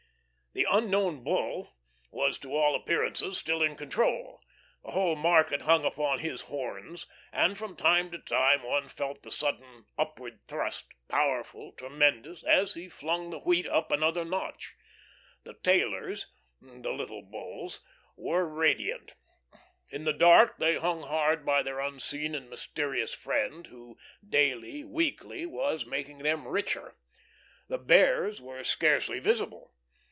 The "Unknown Bull" was to all appearance still in control; the whole market hung upon his horns; and from time to time, one felt the sudden upward thrust, powerful, tremendous, as he flung the wheat up another notch. The "tailers" the little Bulls were radiant. In the dark, they hung hard by their unseen and mysterious friend who daily, weekly, was making them richer. The Bears were scarcely visible.